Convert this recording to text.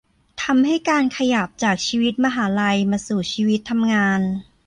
ทำให้การขยับจากชีวิตมหาลัยมาสู่ชีวิตทำงาน